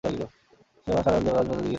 সারা রাত গান বাজনা, জিকির আসকার হয়।